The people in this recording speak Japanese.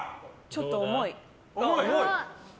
ちょっと重い。